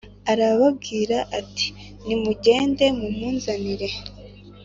Arababwira ati “Nimugende mumunzanire”